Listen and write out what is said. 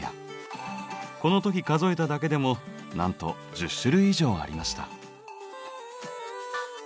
この時数えただけでもなんと１０種類以上ありました。